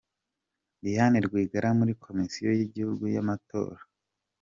Diane Rwigara muri Komisiyo y’Igihugu y’Amatora